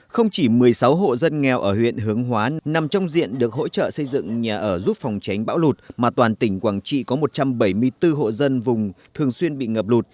không chỉ một mươi sáu hộ dân nghèo ở huyện hướng hóa nằm trong diện được hỗ trợ xây dựng nhà ở giúp phòng tránh bão lụt mà toàn tỉnh quảng trị có một trăm bảy mươi bốn hộ dân vùng thường xuyên bị ngập lụt